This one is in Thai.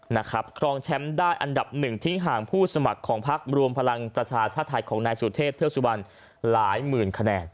นะครับครองแชมป์ได้อันดับหนึ่งทิ้งห่างผู้สมัครของพักรวมพลังประชาชาติไทยของนายสุเทพเทือกสุบันหลายหมื่นคะแนน